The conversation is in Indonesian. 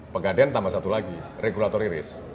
pegadean tambah satu lagi regulatory risk